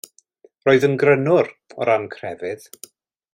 Roedd yn Grynwr, o ran crefydd.